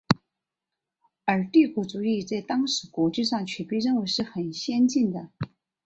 而帝国主义在当时国际上却被认为是很先进的。